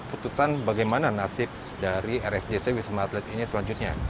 keputusan bagaimana nasib dari rsjc wisma atlet ini selanjutnya